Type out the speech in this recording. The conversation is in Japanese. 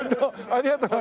ありがとう。